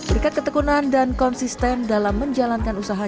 berkat ketekunan dan konsisten dalam menjalankan usaha